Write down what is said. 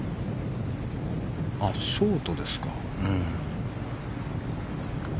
ショートですか。